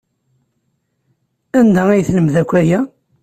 Anda ay telmed akk aya?